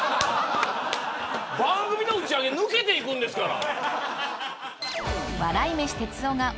番組の打ち上げを抜けて行くんですから。